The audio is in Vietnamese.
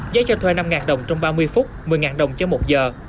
giá cho thuê năm đồng trong ba mươi phút một mươi đồng cho một giờ